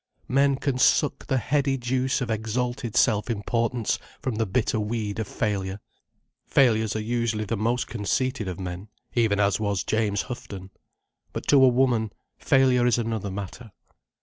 Men can suck the heady juice of exalted self importance from the bitter weed of failure—failures are usually the most conceited of men: even as was James Houghton. But to a woman, failure is another matter.